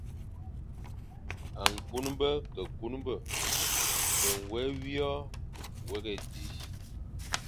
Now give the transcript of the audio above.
Nkuñbe ke kuñbe, ve nwé wi o wéghé di,